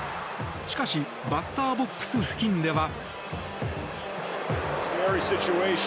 しかしバッターボックス付近では。